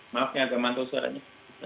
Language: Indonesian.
maaf ini agak mantul suaranya